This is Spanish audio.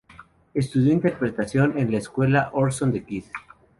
Estudió interpretación en la escuela "Orson The Kid".